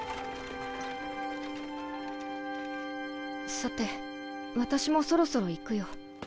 さて私もそろそろ行くよ。